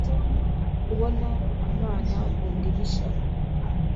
kubona Imana bundi bushya